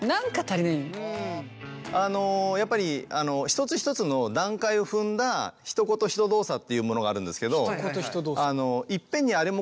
あのやっぱり一つ一つの段階を踏んだひと言ひと動作というものがあるんですけど。